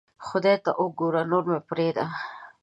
خدای ته اوګوره نو مې پریدا